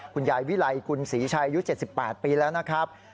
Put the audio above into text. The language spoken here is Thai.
คุณยายวิไลคุณศรีชัยอายุ๗๘ปีแล้วนะครับ